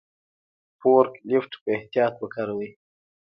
فورک لیفټ په احتیاط وکاروئ.